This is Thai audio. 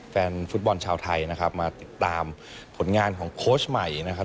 แฟนฟุตบอลชาวไทยนะครับมาติดตามผลงานของโค้ชใหม่นะครับ